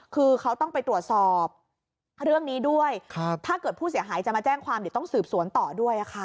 คือเขาต้องไปตรวจสอบเรื่องนี้ด้วยถ้าเกิดผู้เสียหายจะมาแจ้งความเดี๋ยวต้องสืบสวนต่อด้วยค่ะ